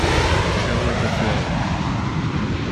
Go with the flow.